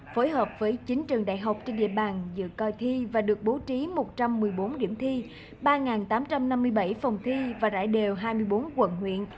phối hợp với chín trường đại học trên địa bàn dự coi thi và được bố trí một trăm một mươi bốn điểm thi ba tám trăm năm mươi bảy phòng thi và rải đều hai mươi bốn quận huyện